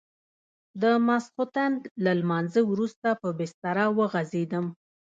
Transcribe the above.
د ماخستن له لمانځه وروسته په بستره وغځېدم.